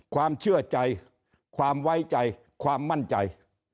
ความเชื่อใจความไว้ใจความมั่นใจ